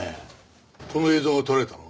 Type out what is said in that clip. この映像が撮られたのは？